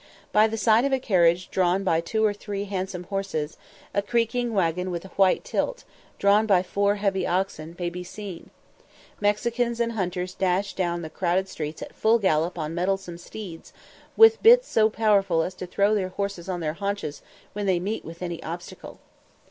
By the side of a carriage drawn by two or three handsome horses, a creaking waggon with a white tilt, drawn by four heavy oxen, may be seen Mexicans and hunters dash down the crowded streets at full gallop on mettlesome steeds, with bits so powerful as to throw their horses on their haunches when they meet with any obstacle.